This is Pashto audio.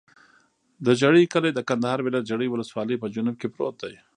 د ژرۍ کلی د کندهار ولایت، ژرۍ ولسوالي په جنوب کې پروت دی.